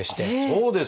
そうですか！